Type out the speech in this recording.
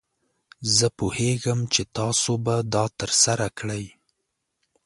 زه پوهیږم چې تاسو به دا ترسره کړئ.